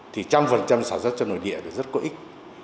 thì một trăm linh sản xuất cho nội địa rất có ích